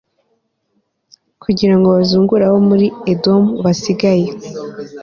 kugira ngo bazungure abo muri Edomu basigaye